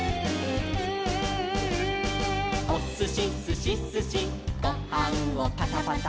「おすしすしすしごはんをパタパタ」